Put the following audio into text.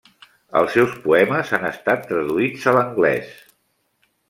Els seus poemes han estat traduïts a l'anglès.